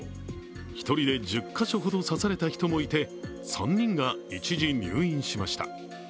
１人で１０か所ほど刺された人もいて３人が一時入院しました。